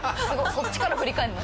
そっちから振り返るの？